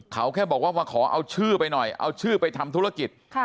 เขาแค่บอกว่ามาขอเอาชื่อไปหน่อยเอาชื่อไปทำธุรกิจ